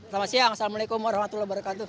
selamat siang assalamualaikum warahmatullahi wabarakatuh